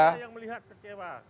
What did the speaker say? saya yang melihat kecewa